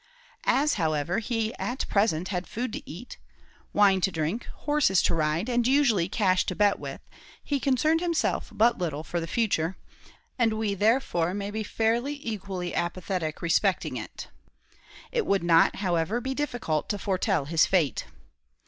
As, however, he at present had food to eat, wine to drink, horses to ride, and usually cash to bet with, he concerned himself but little for the future; and we, therefore, may fairly be equally apathetic respecting it. It would not, however, be difficult to foretell his fate.